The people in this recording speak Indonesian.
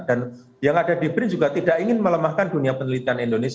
dan yang ada di brin juga tidak ingin melemahkan dunia penelitian indonesia